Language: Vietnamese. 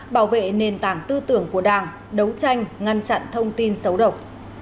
bảo vệ nền tảng tư tưởng của đảng đấu tranh ngăn chặn thông tin xấu độc